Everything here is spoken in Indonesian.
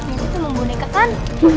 itu emang boneka kan